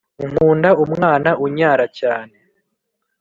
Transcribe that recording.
nkunda umwana unyara cyane